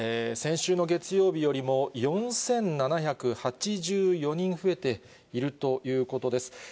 先週の月曜日よりも４７８４人増えているということです。